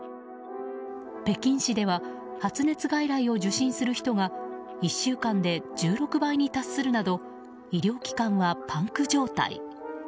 北京市では発熱外来を受診する人が１週間で１６倍に達するなど医療機関はパンク状態。